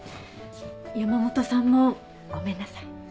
山本さんもごめんなさい。